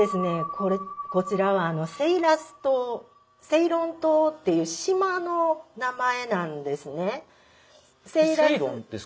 これこちらはセイラス島セイロン島っていう島の名前なんですね。